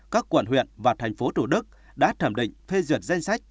các quận huyện và thành phố thủ đức đã thẩm định phê duyệt danh sách